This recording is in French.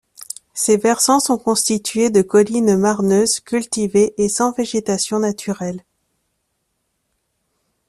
Ses versants sont constitués de collines marneuses cultivées et sans végétation naturelle.